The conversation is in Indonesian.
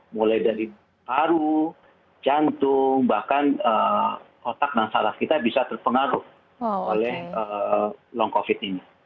mulai dari paru jantung bahkan otak nasalah kita bisa terpengaruh oleh long covid ini